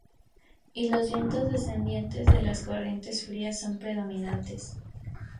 Y los vientos descendientes de las corrientes frías son predominante.